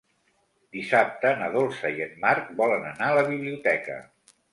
Dissabte na Dolça i en Marc volen anar a la biblioteca.